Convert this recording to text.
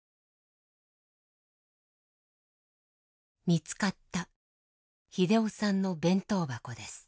見つかった秀雄さんの弁当箱です。